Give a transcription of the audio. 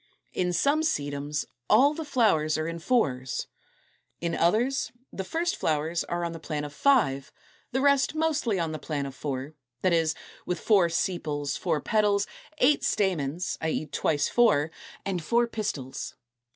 In some Sedums all the flowers are in fours. In others the first flowers are on the plan of five, the rest mostly on the plan of four, that is, with four sepals, four petals, eight stamens (i. e. twice four), and four pistils.